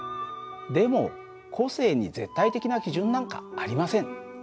でも個性に絶対的な基準なんかありません。